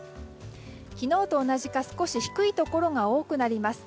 昨日と同じか少し低いところが多くなります。